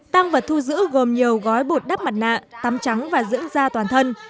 tăng vật thu giữ gồm nhiều gói bột đắp mặt nạ tắm trắng và dưỡng da toàn thân